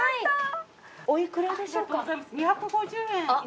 ２５０円。